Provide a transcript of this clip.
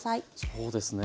そうですね。